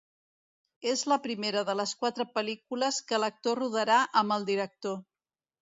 És la primera de les quatre pel·lícules que l'actor rodarà amb el director.